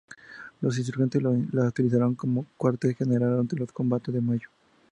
Los insurgentes lo utilizaron como cuartel general durante los combates de mayo.